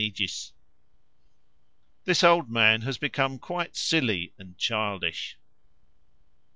This old man has become quite silly and childish.